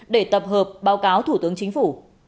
để tập hợp báo cáo thủ tướng chính phủ